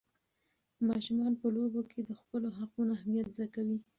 ماشومان په لوبو کې د خپلو حقونو اهمیت زده کوي.